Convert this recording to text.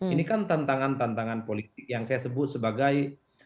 ini kan tantangan tantangan politik yang saya sebut sebagai